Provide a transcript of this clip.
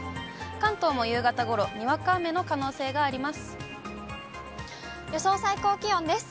関東も夕方ごろ、にわか雨の可能性があります。